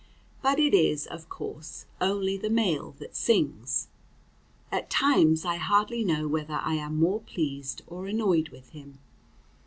But it is, of course, only the male that sings. At times I hardly know whether I am more pleased or annoyed with him.